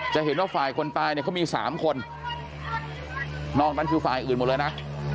จะเห็นว่าฝ่ายคนตายเนี่ยเขามี๓คนนอกนั้นคือฝ่ายอื่นหมดเลยนะ